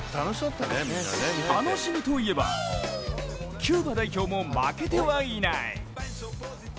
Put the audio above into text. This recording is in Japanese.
楽しむといえば、キューバ代表も負けてはいない。